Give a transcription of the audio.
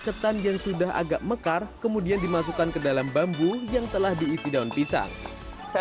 ketan yang sudah agak mekar kemudian dimasukkan ke dalam bambu yang telah diisi daun pisang saya